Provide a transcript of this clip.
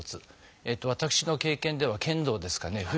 私の経験では剣道ですかね。